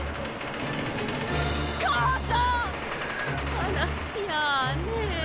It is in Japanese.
あらやあねえ。